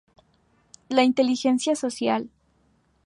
La inteligencia social